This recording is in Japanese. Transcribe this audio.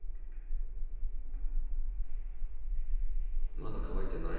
まだ乾いていない。